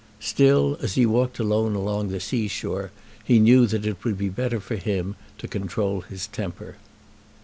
Still, as he walked alone along the sea shore, he knew that it would be better for him to control his temper.